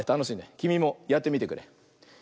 きみもやってみてくれ！